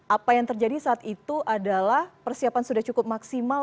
apa yang terjadi saat itu adalah persiapan sudah cukup maksimal